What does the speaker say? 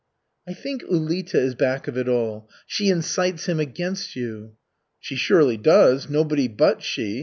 '" "I think Ulita is back of it all. She incites him against you." "She surely does, nobody but she.